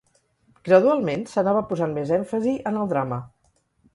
Gradualment, s'anava posant més èmfasi en el drama.